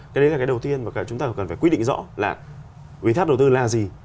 cái đấy là cái đầu tiên mà chúng ta cần phải quy định rõ là ủy thác đầu tư là gì